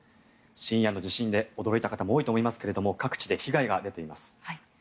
深夜の地震で驚いた方も多かったと思いますが各地で被害が出ています。